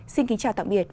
xin kính chào tạm biệt